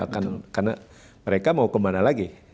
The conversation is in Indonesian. karena mereka mau kemana lagi